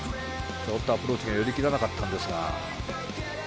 アプローチが寄り切らなかったんですが。